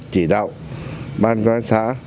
chỉ đạo ban quan sát